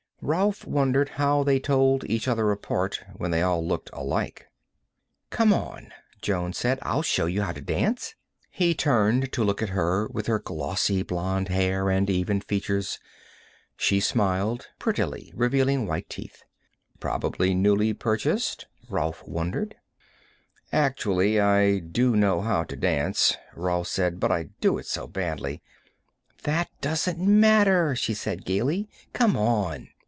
Rolf wondered how they told each other apart when they all looked alike. "Come on," Jonne said. "I'll show you how to dance." He turned to look at her, with her glossy blonde hair and even features. She smiled prettily, revealing white teeth. Probably newly purchased? Rolf wondered. "Actually I do know how to dance," Rolf said. "But I do it so badly " "That doesn't matter," she said gaily. "Come on."